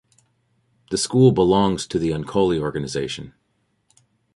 The school belongs to the Uncoli Organization.